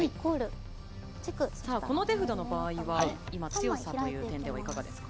この手札の場合は強さという点ではいかがですか？